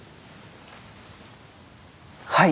はい。